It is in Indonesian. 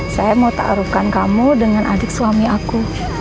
saya mau taruhkan kamu dengan adik suami aku